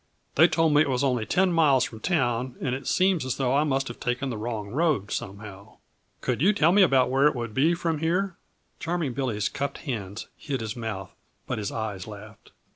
They told me it was only ten miles from town and it seems as though I must have taken the wrong road, somehow. Could you tell me about where it would be from here?" Charming Billy's cupped hands hid his mouth, but his eyes laughed.